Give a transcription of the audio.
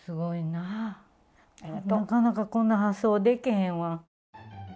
なかなかこんな発想でけへんわ。